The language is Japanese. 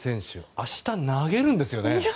明日、投げるんですよね？